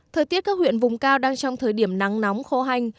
thời tiết các huyện vùng cao đang trong thời điểm nắng nóng khô hành